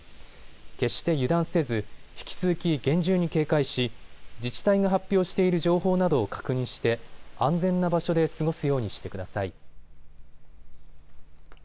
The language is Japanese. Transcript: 決して油断せず引き続き厳重に警戒し、自治体が発表している情報などを確認して安全な場所で過ごすようにしてください。